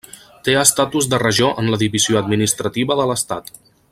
Té estatus de regió en la divisió administrativa de l'estat.